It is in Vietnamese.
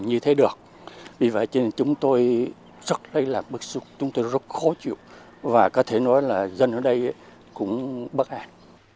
như thế được vì vậy chúng tôi rất khó chịu và có thể nói là dân ở đây cũng bất an